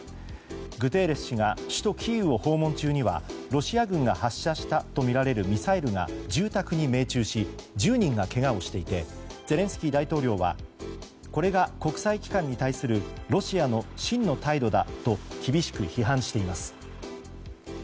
グテーレス氏が首都キーウを訪問中にはロシア軍が発射したとみられるミサイルが住宅に命中し１０人がけがをしていてゼレンスキー大統領はこれが国際機関に対するロシアの真の態度だと厳しく批判しています。